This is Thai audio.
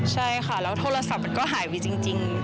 ใช่ค่ะแล้วโทรศัพท์มันก็หายไปจริง